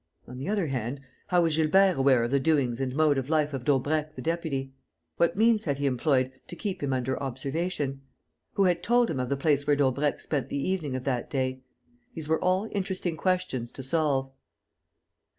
On the other hand, how was Gilbert aware of the doings and mode of life of Daubrecq the deputy? What means had he employed to keep him under observation? Who had told him of the place where Daubrecq spent the evening of that day? These were all interesting questions to solve.